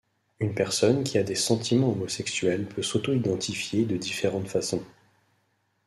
Une personne qui a des sentiments homosexuels peut s'auto-identifier de différentes façons.